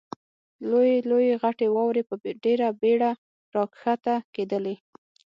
لویې لویې غټې واورې په ډېره بېړه را کښته کېدلې.